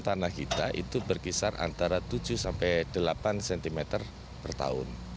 tanah kita itu berkisar antara tujuh sampai delapan cm per tahun